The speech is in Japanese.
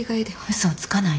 嘘をつかないで。